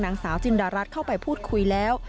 นางสาวจินดารัฐเข้าไปพูดคุยแล้ว